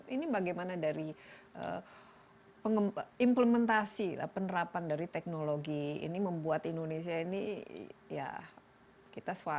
ini bagaimana dari implementasi penerapan dari teknologi ini membuat indonesia ini ya kita swab